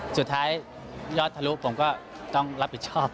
สุดท้ายยอดทะลุผมก็ต้องรับผิดชอบ